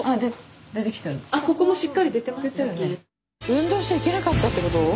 運動しちゃいけなかったってこと？